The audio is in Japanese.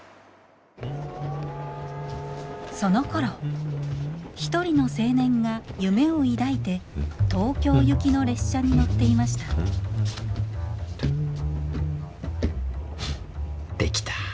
そのころ一人の青年が夢を抱いて東京行きの列車に乗っていました出来た。